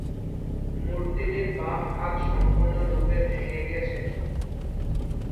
মূর্তিটির বাম হাত সম্পূর্ণ রূপে ভেঙে গেছে।